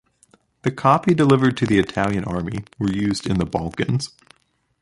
The copy delivered to the Italian army were used in the Balkans.